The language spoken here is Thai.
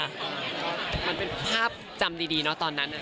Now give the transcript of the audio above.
มันเป็นภาพจำดีเนาะตอนนั้น